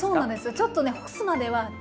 ちょっとね干すまでは。